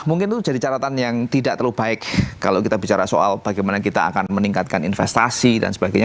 mungkin itu jadi catatan yang tidak terlalu baik kalau kita bicara soal bagaimana kita akan meningkatkan investasi dan sebagainya